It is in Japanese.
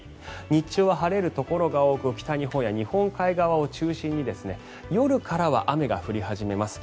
日中は晴れるところが多く北日本や日本海側を中心に夜からは雨が降り始めます。